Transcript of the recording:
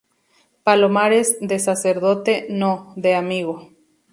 palomares, de sacerdote, no, de amigo.